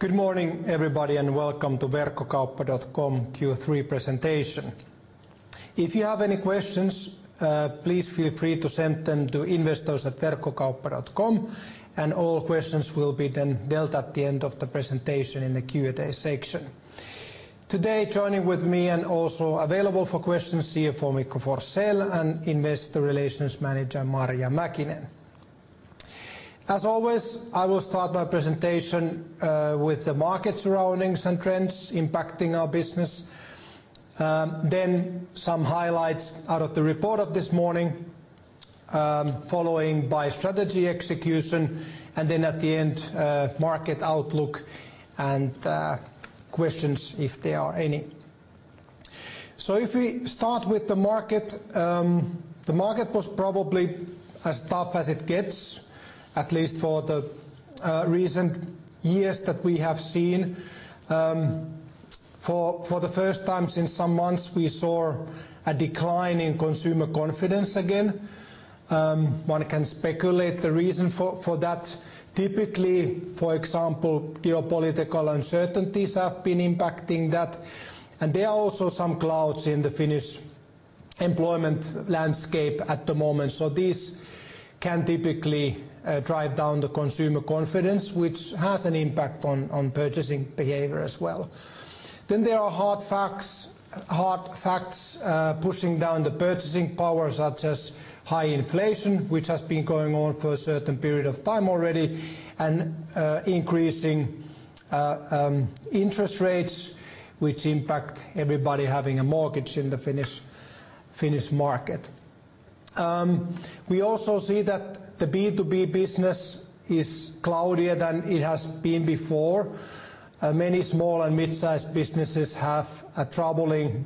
Good morning, everybody, and welcome to Verkkokauppa.com Q3 presentation. If you have any questions, please feel free to send them to investors@verkkokauppa.com, and all questions will be then dealt at the end of the presentation in the Q&A section. Today, joining with me and also available for questions, CFO Mikko Forsell and Investor Relations Manager Marja Mäkinen. As always, I will start my presentation with the market surroundings and trends impacting our business. Then some highlights out of the report of this morning, following by strategy execution, and then at the end, market outlook and questions, if there are any. So if we start with the market, the market was probably as tough as it gets, at least for the recent years that we have seen. For the first time since some months, we saw a decline in consumer confidence again. One can speculate the reason for that. Typically, for example, geopolitical uncertainties have been impacting that, and there are also some clouds in the Finnish employment landscape at the moment. So this can typically drive down the consumer confidence, which has an impact on purchasing behavior as well. Then there are hard facts, hard facts, pushing down the purchasing power, such as high inflation, which has been going on for a certain period of time already, and increasing interest rates, which impact everybody having a mortgage in the Finnish market. We also see that the B2B business is cloudier than it has been before. Many small and mid-sized businesses have a troubling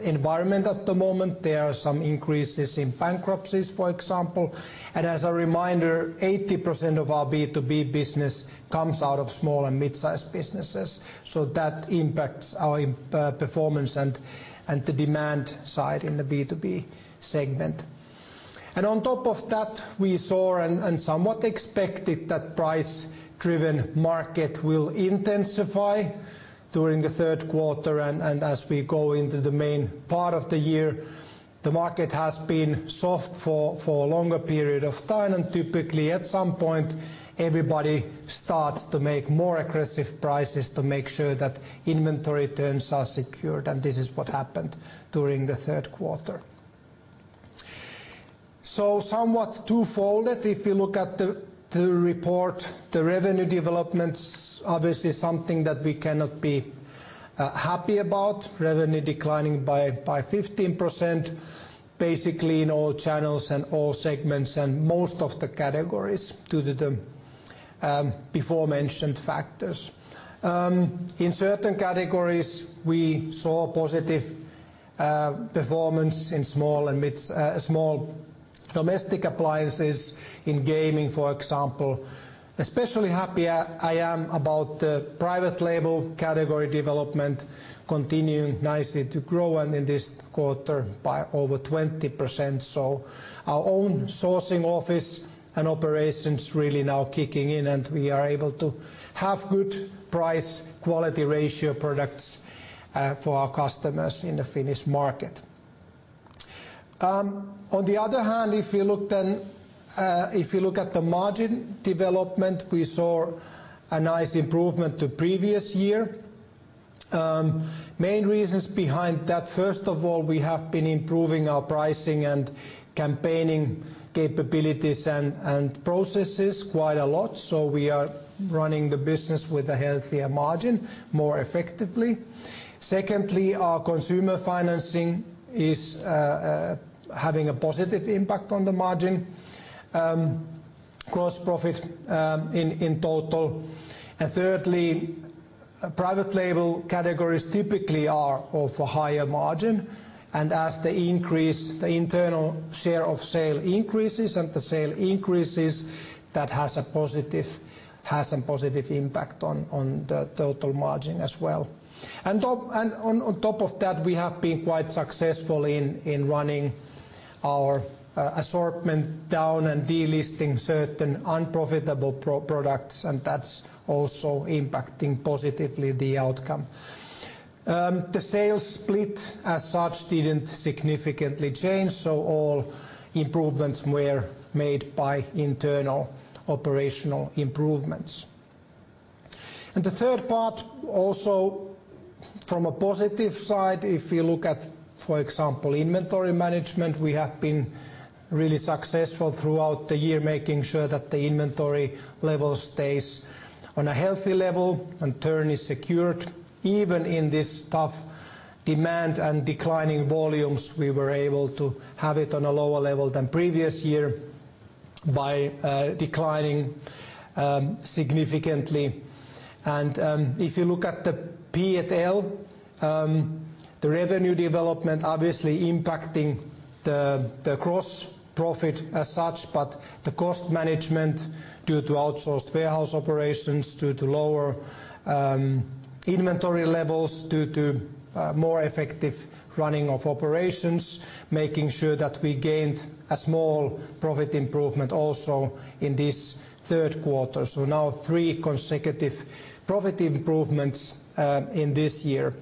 environment at the moment. There are some increases in bankruptcies, for example. As a reminder, 80% of our B2B business comes out of small and mid-sized businesses, so that impacts our performance and the demand side in the B2B segment. On top of that, we saw and somewhat expected that price-driven market will intensify during the third quarter, and as we go into the main part of the year, the market has been soft for a longer period of time, and typically at some point, everybody starts to make more aggressive prices to make sure that inventory turns are secured, and this is what happened during the third quarter. Somewhat twofold, if you look at the report, the revenue development's obviously something that we cannot be happy about. Revenue declining by 15%, basically in all channels and all segments, and most of the categories due to the aforementioned factors. In certain categories, we saw positive performance in small domestic appliances, in gaming, for example. Especially happy I am about the private label category development continuing nicely to grow, and in this quarter by over 20%, so our own sourcing office and operations really now kicking in, and we are able to have good price/quality ratio products for our customers in the Finnish market. On the other hand, if you look then, if you look at the margin development, we saw a nice improvement to previous year. Main reasons behind that, first of all, we have been improving our pricing and campaigning capabilities and processes quite a lot, so we are running the business with a healthier margin more effectively. Secondly, our consumer financing is having a positive impact on the margin, gross profit in total. And thirdly, private label categories typically are of a higher margin, and as they increase, the internal share of sale increases, and the sale increases, that has a positive impact on the total margin as well. And on top of that, we have been quite successful in running our assortment down and delisting certain unprofitable products, and that's also impacting positively the outcome. The sales split, as such, didn't significantly change, so all improvements were made by internal operational improvements. And the third part, also from a positive side, if you look at, for example, inventory management, we have been really successful throughout the year, making sure that the inventory level stays on a healthy level and turn is secured. Even in this tough demand and declining volumes, we were able to have it on a lower level than previous year by declining significantly. And if you look at the P&L, the revenue development obviously impacting the, the gross profit as such, but the cost management due to outsourced warehouse operations, due to lower inventory levels, due to more effective running of operations, making sure that we gained a small profit improvement also in this third quarter. So now three consecutive profit improvements in this year.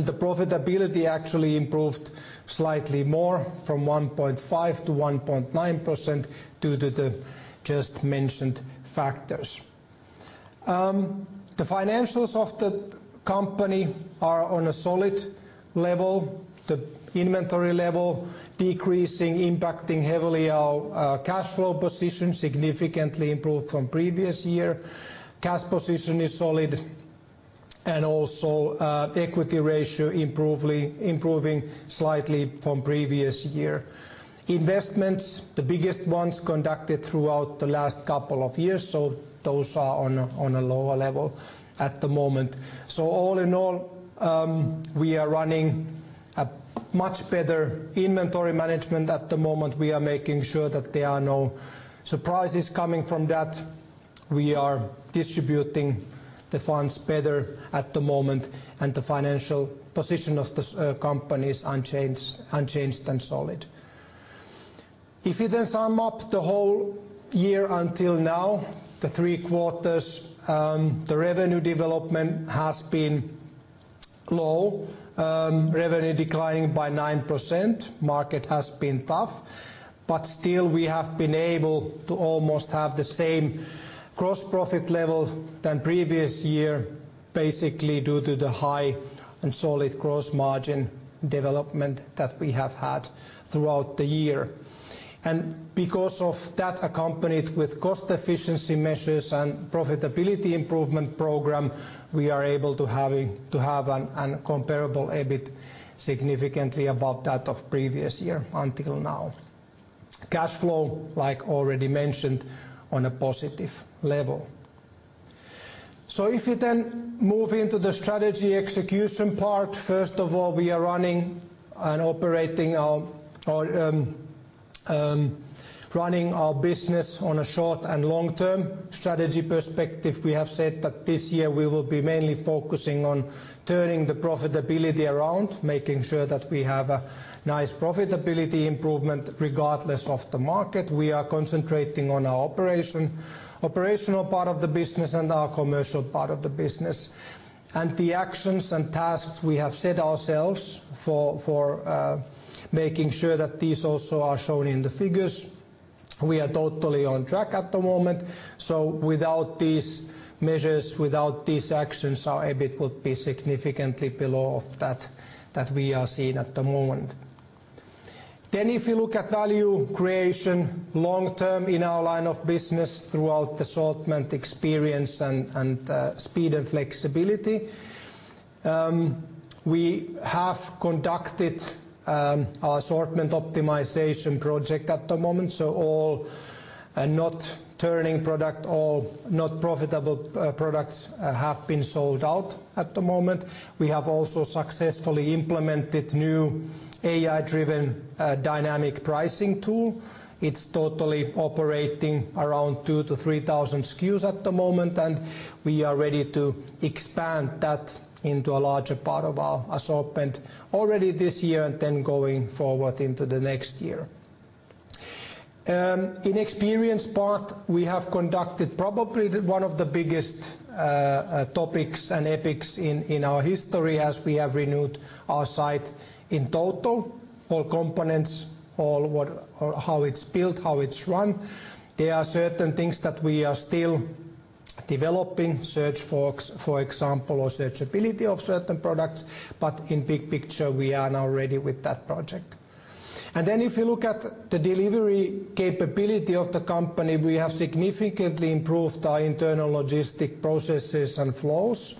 The profitability actually improved slightly more from 1.5%-1.9% due to the just mentioned factors. The financials of the company are on a solid level. The inventory level decreasing, impacting heavily our cash flow position, significantly improved from previous year. Cash position is solid, and also, equity ratio improving slightly from previous year. Investments, the biggest ones conducted throughout the last couple of years, so those are on a lower level at the moment. So all in all, we are running a much better inventory management at the moment. We are making sure that there are no surprises coming from that. We are distributing the funds better at the moment, and the financial position of the company is unchanged and solid. If you then sum up the whole year until now, the three quarters, the revenue development has been low, revenue declining by 9%. The market has been tough, but still we have been able to almost have the same gross profit level than previous year, basically due to the high and solid gross margin development that we have had throughout the year. Because of that, accompanied with cost efficiency measures and profitability improvement program, we are able to have a comparable EBIT significantly above that of previous year until now. Cash flow, like already mentioned, on a positive level. If you then move into the strategy execution part, first of all, we are running and operating our business on a short- and long-term strategy perspective. We have said that this year we will be mainly focusing on turning the profitability around, making sure that we have a nice profitability improvement regardless of the market. We are concentrating on our operational part of the business and our commercial part of the business. And the actions and tasks we have set ourselves for making sure that these also are shown in the figures, we are totally on track at the moment, so without these measures, without these actions, our EBIT would be significantly below that we are seeing at the moment. Then if you look at value creation long term in our line of business throughout the assortment, experience, speed and flexibility, we have conducted our assortment optimization project at the moment, so all not turning product or not profitable products have been sold out at the moment. We have also successfully implemented new AI-driven dynamic pricing tool. It's totally operating around 2,000-3,000 SKUs at the moment, and we are ready to expand that into a larger part of our assortment already this year, and then going forward into the next year. In experience part, we have conducted probably one of the biggest topics and epics in our history as we have renewed our site in total, all components, all or how it's built, how it's run. There are certain things that we are still developing, search box, for example, or searchability of certain products, but in big picture, we are now ready with that project. Then if you look at the delivery capability of the company, we have significantly improved our internal logistic processes and flows.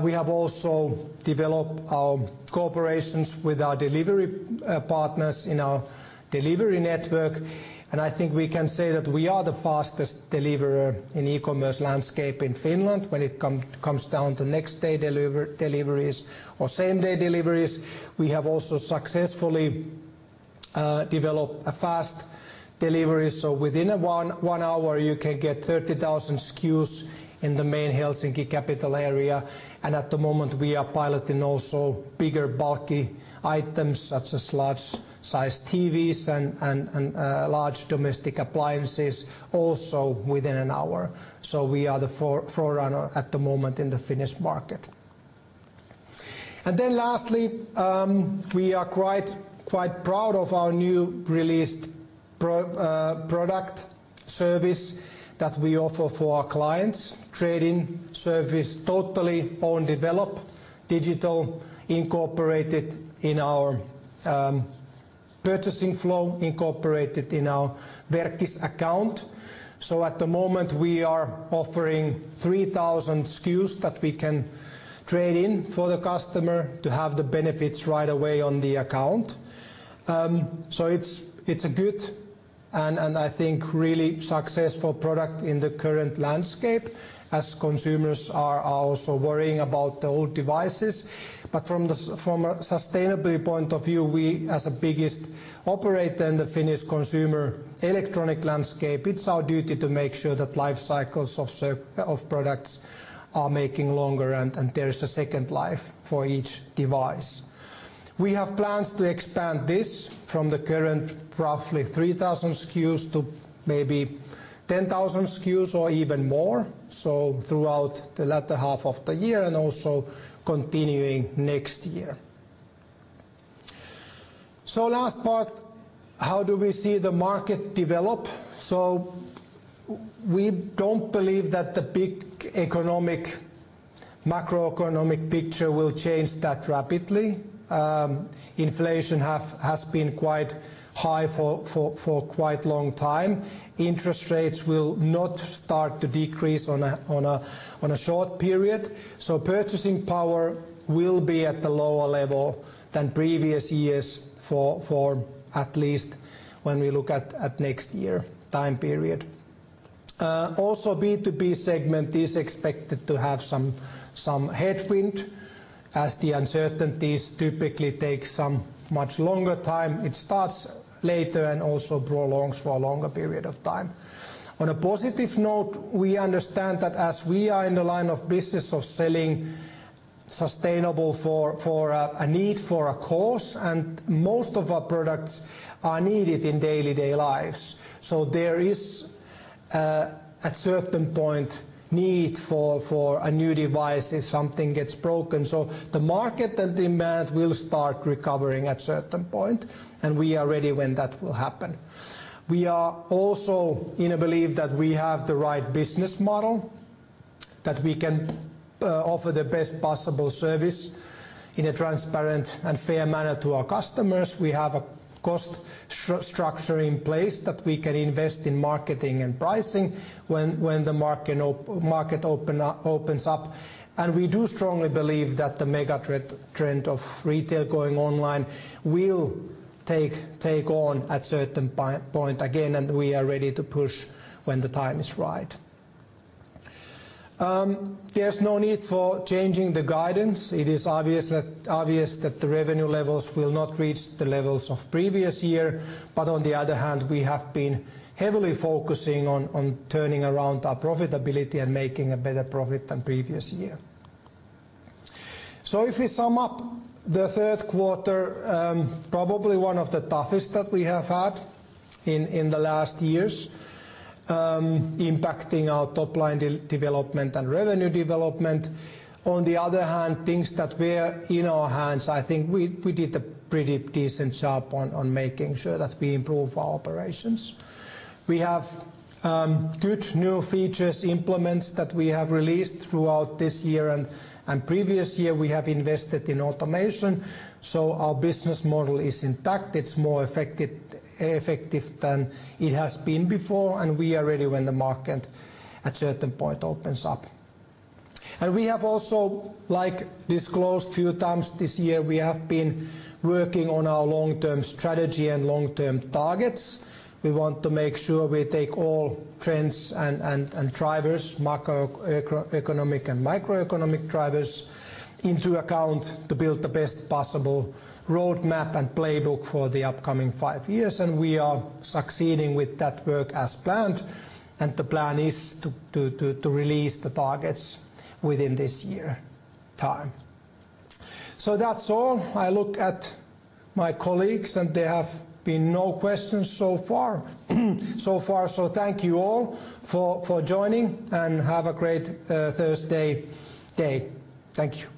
We have also developed our cooperations with our delivery partners in our delivery network, and I think we can say that we are the fastest deliverer in e-commerce landscape in Finland when it comes down to next-day deliveries or same-day deliveries. We have also successfully developed a fast delivery, so within one hour, you can get 30,000 SKUs in the main Helsinki capital area. At the moment we are piloting also bigger, bulky items, such as large-sized TVs and large domestic appliances also within an hour. So we are the forerunner at the moment in the Finnish market. And then lastly, we are quite proud of our new released product service that we offer for our clients, trade-in service, totally own develop, digital, incorporated in our purchasing flow, incorporated in our Verkkis account. So at the moment we are offering 3,000 SKUs that we can trade in for the customer to have the benefits right away on the account. So it's a good... and I think really successful product in the current landscape, as consumers are also worrying about the old devices. But from a sustainability point of view, we, as a biggest operator in the Finnish consumer electronic landscape, it's our duty to make sure that life cycles of products are making longer, and there is a second life for each device. We have plans to expand this from the current roughly 3,000 SKUs to maybe 10,000 SKUs or even more, so throughout the latter half of the year and also continuing next year. So last part: how do we see the market develop? So, we don't believe that the big economic, macroeconomic picture will change that rapidly. Inflation has been quite high for quite long time. Interest rates will not start to decrease on a short period, so purchasing power will be at the lower level than previous years for at least when we look at next year time period. Also, B2B segment is expected to have some headwind, as the uncertainties typically take some much longer time. It starts later and also prolongs for a longer period of time. On a positive note, we understand that as we are in the line of business of selling sustainable for a need, for a cause, and most of our products are needed in day-to-day lives, so there is at certain point need for a new device if something gets broken. So the market and demand will start recovering at certain point, and we are ready when that will happen. We are also in a belief that we have the right business model, that we can offer the best possible service in a transparent and fair manner to our customers. We have a cost structure in place that we can invest in marketing and pricing when the market opens up. We do strongly believe that the megatrend of retail going online will take on at certain point again, and we are ready to push when the time is right. There's no need for changing the guidance. It is obvious that the revenue levels will not reach the levels of previous year. But on the other hand, we have been heavily focusing on turning around our profitability and making a better profit than previous year. So if we sum up the third quarter, probably one of the toughest that we have had in the last years, impacting our top line development and revenue development. On the other hand, things that were in our hands, I think we did a pretty decent job on making sure that we improve our operations. We have good new features implemented that we have released throughout this year and previous year; we have invested in automation, so our business model is intact. It's more effective than it has been before, and we are ready when the market at certain point opens up. We have also, like, disclosed a few times this year; we have been working on our long-term strategy and long-term targets. We want to make sure we take all trends and drivers, macro, economic and microeconomic drivers, into account to build the best possible roadmap and playbook for the upcoming five years, and we are succeeding with that work as planned, and the plan is to release the targets within this year time. So that's all. I look at my colleagues, and there have been no questions so far, so thank you all for joining, and have a great Thursday day. Thank you.